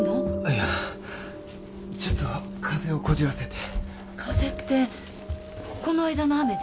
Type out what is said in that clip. いやちょっと風邪をこじらせて風邪ってこの間の雨で？